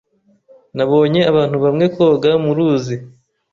Nabonye abantu bamwe koga muruzi.